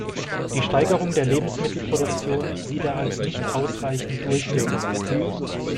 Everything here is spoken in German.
Die Steigerung der Lebensmittelproduktion sieht er als nicht ausreichend durchführbar.